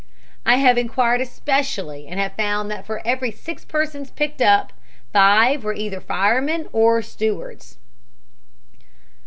"I have inquired especially and have found that for every six persons picked up, five were either firemen or stewards."